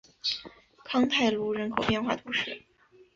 康泰卢人口变化图示